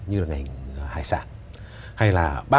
hải sản hay là